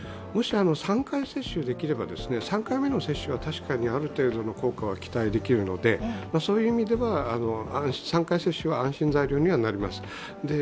もし３回接種できれば、３回目の接種は確かにある程度の効果は期待できるので、そういう意味では３回接種は安心材料にはなります。